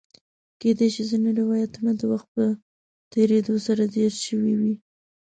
کېدای شي ځینې روایتونه د وخت په تېرېدو سره زیات شوي وي.